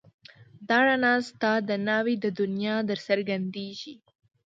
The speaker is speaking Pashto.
دا رڼا ستا د ناوې د دنيا درڅرګنديږي